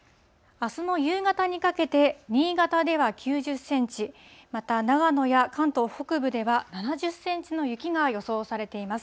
あすの夕方にかけて、新潟では９０センチ、また長野や関東北部では７０センチの雪が予想されています。